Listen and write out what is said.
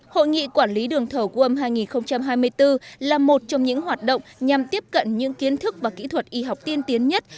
hội nghị quản lý đường thở wom hai nghìn hai mươi bốn là một trong những hoạt động nhằm tiếp cận những kiến thức và kỹ thuật y học tiên tiến nhất